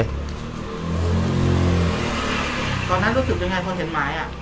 ตอนนั้นรู้สึกยังไงพอเห็นหมาย